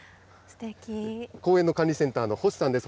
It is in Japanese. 公園の管理センターの星さんです。